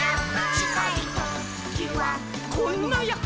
「ちかいときはこんなヤッホ」